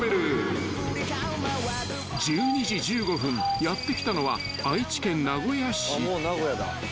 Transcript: ［１２時１５分やって来たのは愛知県名古屋市］